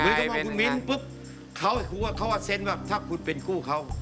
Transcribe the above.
หรือก็บอกคุณมีนปุ๊บเขาก็คิดว่าเซ็นต์ว่าถ้าคุณเป็นผู้เขา